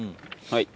はい。